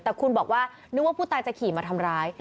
แต่คุณบอกว่านึกว่าผู้ตายจะขี่มาทำร้าย